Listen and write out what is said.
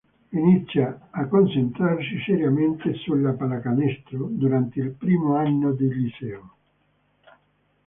Inizia a concentrarsi seriamente sulla pallacanestro durante il primo anno di liceo.